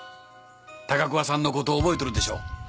高桑さんのこと覚えとるでしょ？